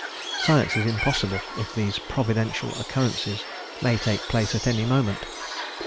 Science is impossible if these "providential occurrences" may take place at any moment.